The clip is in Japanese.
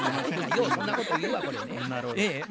ようそんなこと言うわほんまに。